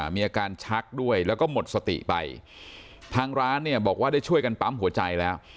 มีอาการชักด้วยแล้วก็หมดสติไปทางร้านเนี่ยบอกว่าได้ช่วยกันปั๊มหัวใจแล้ว